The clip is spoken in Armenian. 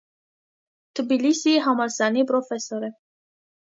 Թբիլիսիի համալսարանի պրոֆեսոր է։